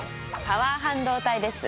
パワー半導体です。